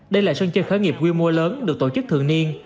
đây là sân chơi khởi nghiệp willmore lớn được tổ chức thường niên